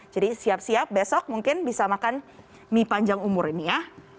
jadi siap siap besok mungkin bisa makan mie panjang umur ini ya